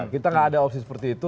kita nggak ada opsi seperti itu